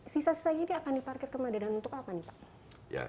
sisa sisa ini akan diparkir ke mada dan untuk apa pak